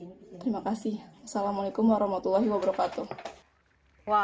assalamualaikum warahmatullahi wabarakatuh